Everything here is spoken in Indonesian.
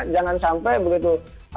jangan sampai begitu